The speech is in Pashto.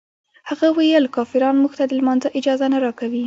هغه ویل کافران موږ ته د لمانځه اجازه نه راکوي.